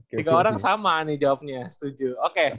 tiga orang sama nih jawabnya setuju oke